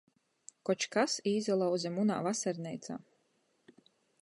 Koč kas īsalauze munā vasarneicā.